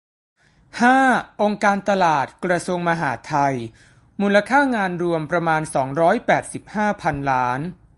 ห้า องค์การตลาด กระทรวงมหาดไทย มูลค่างานรวมประมาณ สองร้อยแปดสิบห้า พันล้าน